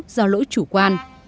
do lỗi chủ quan